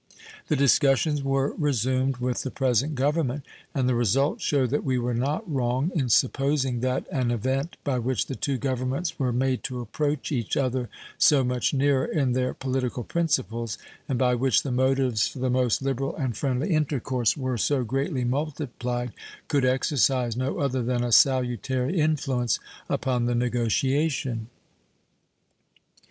The discussions were resumed with the present Government, and the result showed that we were not wrong in supposing that an event by which the two Governments were made to approach each other so much nearer in their political principles, and by which the motives for the most liberal and friendly intercourse were so greatly multiplied, could exercise no other than a salutary influence upon the negotiation.